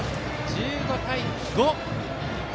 １５対５。